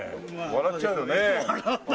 笑っちゃうよね。